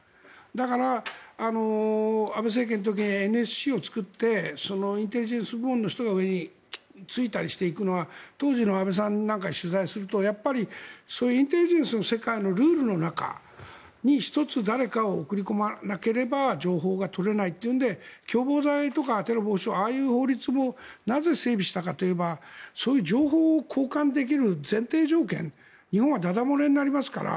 だから、安倍政権の時ＮＳＣを作ってインテリジェンス部門の人が上についていくのは当時の安倍さんなんかを取材するとやっぱり、そういうインテリジェンスの世界のルールの中に１つ誰かを送り込まなければ情報が取れないというんで共謀罪とかテロ防止法ああいう法律もなぜ整備したかといえばそういう情報を交換できる前提条件日本はだだ漏れになりますから。